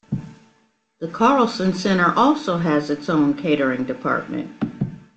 The Carlson Center also has its own catering department.